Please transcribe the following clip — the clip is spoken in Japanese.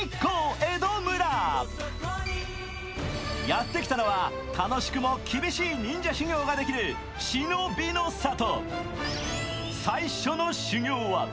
やってきたのは楽しくも厳しい忍者修行ができる忍びの里。